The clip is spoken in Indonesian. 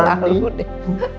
kan selalu deh